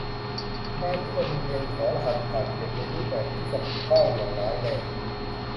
การที่โรงเรียนขอรหัสผ่าน เก็บในรูปแบบที่สะเพร่าอย่างร้ายแรง